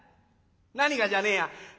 何がじゃねえや。